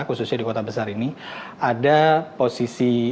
khususnya di kota besar ini